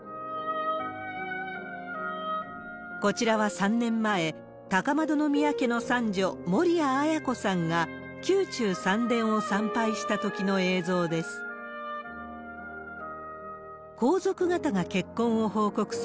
こちらは３年前、高円宮家の三女、守谷絢子さんが宮中三殿を参拝したときの映像です。